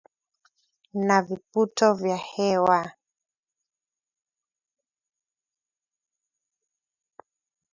na viputo vya hewa